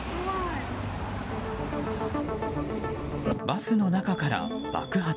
バスの中から爆発。